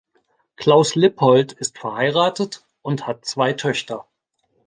Klaus Lippold ist verheiratet und hat zwei Töchter.